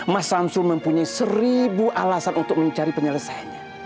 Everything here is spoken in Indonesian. mas hamsul mempunyai seribu alasan untuk mencari penyelesaianya